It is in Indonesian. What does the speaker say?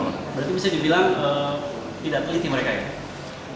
berarti bisa dibilang tidak teliti mereka ya